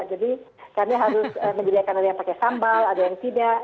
jadi kami harus menyediakan ada yang pakai sambal ada yang tidak